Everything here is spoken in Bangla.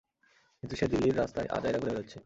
কিন্তু সে দিল্লীর রাস্তায় আজাইরা ঘুরে বেরোচ্ছে।